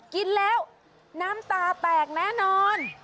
กินแล้วน้ำตาแตกแน่นอน